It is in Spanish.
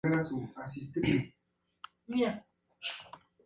La lancha que capturó el "Oroya" fue bautizada como "Tocopilla".